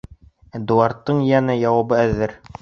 Эдуардтың йәнә яуабы әҙер: